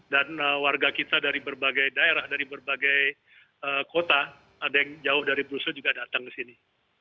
dan warga kita dari berbagai daerah dari berbagai kota ada yang jauh dari brussels juga datang ke sini